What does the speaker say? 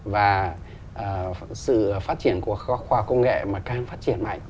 và sự phát triển của khoa công nghệ mà càng phát triển mạnh